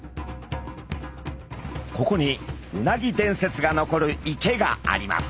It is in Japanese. ここにうなぎ伝説が残る池があります。